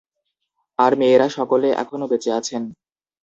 আর মেয়েরা সকলে এখনো বেঁচে আছেন।